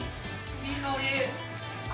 いい香り。